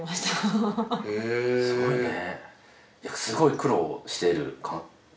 すごいね。